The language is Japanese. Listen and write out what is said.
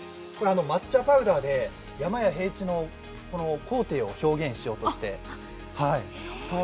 抹茶パウダーで山や平地の高低を表現しようとして。